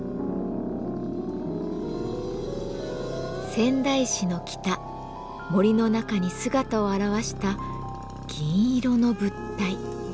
仙台市の北森の中に姿を現した銀色の物体